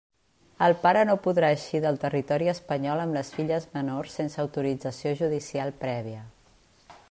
El pare no podrà eixir del territori espanyol amb les filles menors sense autorització judicial prèvia.